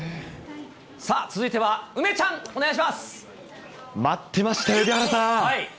さあ、続いては梅ちゃん、待ってました、蛯原さん。